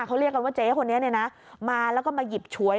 เขาเรียกกันว่าเจ๊คนนี้เนี่ยนะมาแล้วก็มาหยิบฉวย